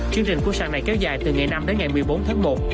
chương trình của sàn này kéo dài từ ngày năm đến ngày một mươi bốn tháng một